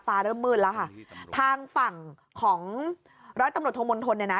เริ่มมืดแล้วค่ะทางฝั่งของร้อยตำรวจโทมณฑลเนี่ยนะ